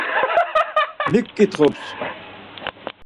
Mik ǩitxups.